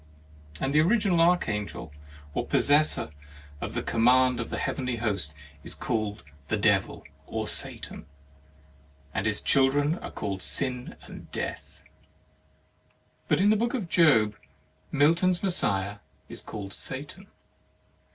And the original Archangel or pos sessor of the command of the heavenly host is called the Devil, or Satan, and his children are called Sin and Death. But in the book of Job, Milton's Messiah is called Satan.